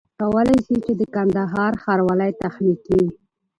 کولای سي چي د کندهار ښاروالۍ تخنيکي